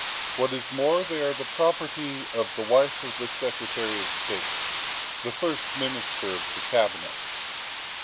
What is more, they are the property of the wife of the Secretary of State (the First Minister of the Cabinet